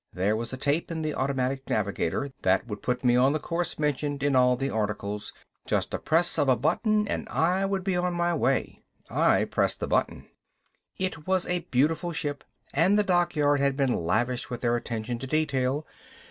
There was a tape in the automatic navigator that would put me on the course mentioned in all the articles, just a press of a button and I would be on my way. I pressed the button. It was a beautiful ship, and the dockyard had been lavish with their attention to detail.